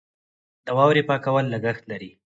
د واورې پاکول لګښت لري.